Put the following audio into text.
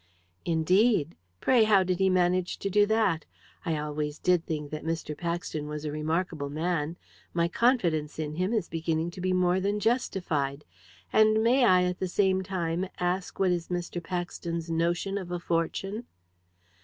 "Indeed! Pray, how did he manage to do that? I always did think that Mr. Paxton was a remarkable man. My confidence in him is beginning to be more than justified. And may I, at the same time, ask what is Mr. Paxton's notion of a fortune?"